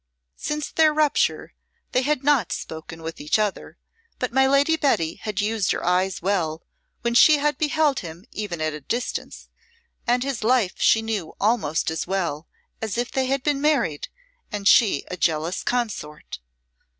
Since their rupture they had not spoken with each other, but my Lady Betty had used her eyes well when she had beheld him even at a distance, and his life she knew almost as well as if they had been married and she a jealous consort.